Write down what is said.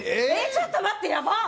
ちょっと待ってやばっ！